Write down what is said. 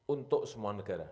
untuk semua negara